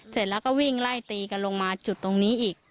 เสร็จแล้วก็วิ่งไล่ตีกันลงมาจุดตรงนี้อีก